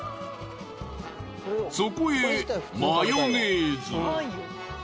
そこへマヨネーズ。